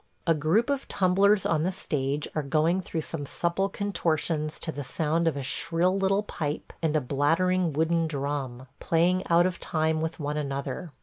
A group of tumblers on the stage are going through some supple contortions to the sound of a shrill little pipe and a blattering wooden drum, playing out of time with one another.